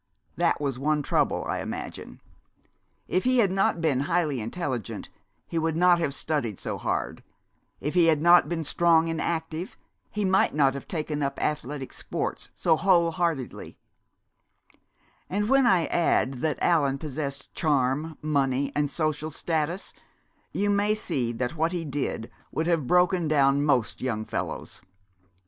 That was one trouble, I imagine. If he had not been highly intelligent he would not have studied so hard; if he had not been strong and active he might not have taken up athletic sports so whole heartedly; and when I add that Allan possessed charm, money and social status you may see that what he did would have broken down most young fellows.